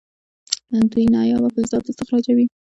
دوی نایابه فلزات استخراجوي.